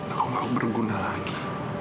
aku gak berguna lagi